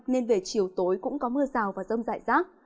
nên về chiều tối cũng có mưa rào và rông rải rác